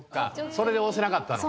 それで押せなかったのね。